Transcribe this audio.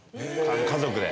家族で。